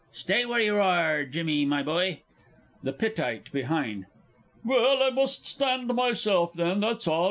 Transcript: Stay where you are, Jimmy, my boy. THE PITTITE BEHIND. Well, I must stand myself then, that's all.